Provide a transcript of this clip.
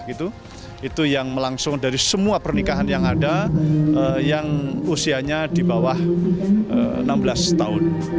itu yang melangsung dari semua pernikahan yang ada yang usianya di bawah enam belas tahun